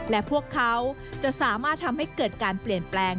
และพวกเขาจะสามารถทำให้เกิดการเปลี่ยนแปลง